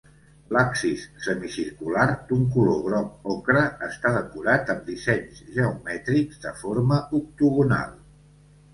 L'absis semicircular, d'un color groc ocre, està decorat amb dissenys geomètrics de forma octogonal.